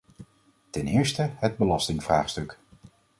Ten eerste het belastingvraagstuk.